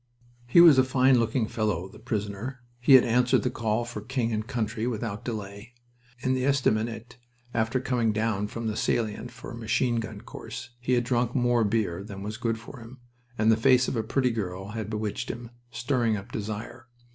He was a fine looking fellow, the prisoner. He had answered the call for king and country without delay. In the estaminet, after coming down from the salient for a machine gun course, he had drunk more beer than was good for him, and the face of a pretty girl had bewitched him, stirring up desire.